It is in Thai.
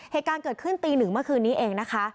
เหตุการณ์เกิดขึ้นตีหนึ่งเมื่อคืนนี้เองนะคะ